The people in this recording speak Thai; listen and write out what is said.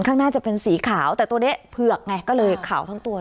ข้างหน้าจะเป็นสีขาวแต่ตัวนี้เผือกไงก็เลยขาวทั้งตัว